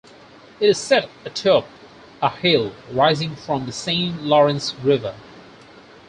It is set atop a hill rising from the Saint Lawrence River.